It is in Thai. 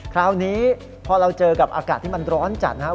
คราวนี้พอเราเจอกับอากาศที่มันร้อนจัดนะครับ